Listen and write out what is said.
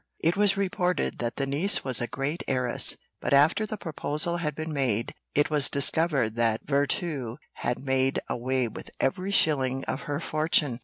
It was reported that the niece was a great heiress, but after the proposal had been made, it was discovered that Virtù had made away with every shilling of her fortune.